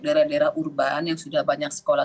daerah daerah urban yang sudah banyak sekolah